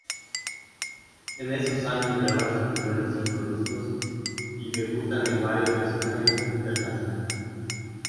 En esos años graban sus primeros cinco discos y debutan en varios escenarios internacionales.